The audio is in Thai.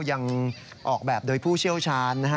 ยังออกแบบโดยผู้เชี่ยวชาญนะฮะ